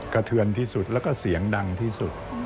เทือนที่สุดแล้วก็เสียงดังที่สุด